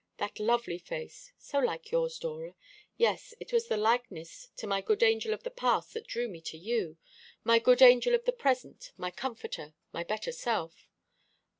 That lovely face so like yours, Dora yes, it was the likeness to my good angel of the past that drew me to you, my good angel of the present, my comforter, my better self.